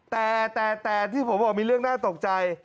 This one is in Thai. แต่แต่ที่ผมบอกมีเรื่องน่าตกใจ